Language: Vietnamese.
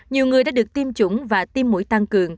nhiều người đã được tiêm chủng và tiêm mũi tăng cường